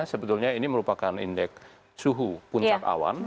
sebetulnya ini merupakan indeks suhu puncak awan